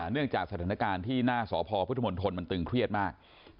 เนื่องจากสถานการณ์ที่หน้าสพพุทธมนตรมันตึงเครียดมาก